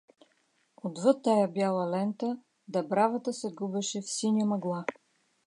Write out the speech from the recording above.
Отвъд тая бяла лента Дъбравата се губеше в синя мъгла.